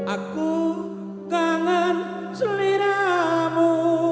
aku kangen seliramu